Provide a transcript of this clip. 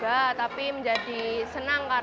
kisah kisah yang terakhir di surakarta